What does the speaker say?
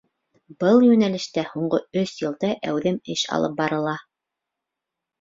Был йүнәлештә һуңғы өс йылда әүҙем эш алып барыла.